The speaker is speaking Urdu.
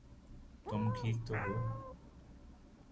تم ٹھیک تو ہو؟